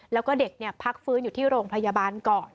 แล้วก็เด็กพักฟื้นอยู่ที่โรงพยาบาลก่อน